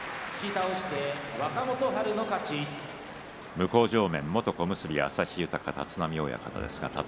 向正面元小結旭豊の立浪親方です。